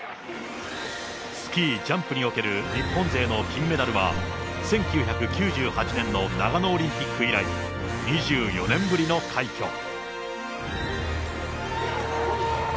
スキージャンプにおける日本勢の金メダルは１９９８年の長野オリンピック以来、２４年ぶりの快挙。